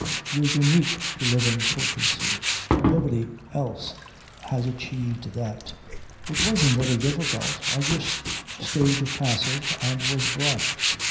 You're unique to live in Kökensee. Nobody else has achieved that." "It wasn't very difficult. I just stayed passive and was brought."